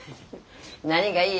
何がいい